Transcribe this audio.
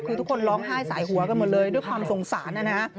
คือทุกคนร้องไห้สายหัวกันหมดเลยด้วยความสงสารนะฮะ